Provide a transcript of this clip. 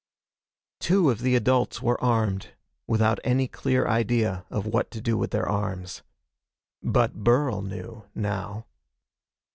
Two of the adults were armed, without any clear idea of what to do with their arms. But Burl knew, now.